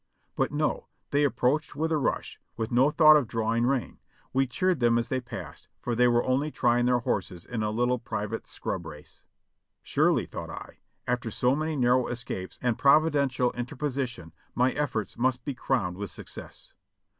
But no, they approached with a rush, with no thought of draw ing rein. We cheered them as they passed, for they were only trying their horses in a little private scrub race. "Surely," thought 1, "after so many narrow escapes and provi dential interposition my efforts must be crowned with success."